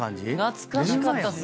懐かしかったっす。